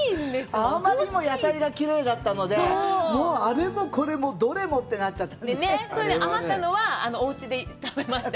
あまりにも野菜がきれいだったのであれもこれもどれもってなっちゃって余ったのはおうちで食べました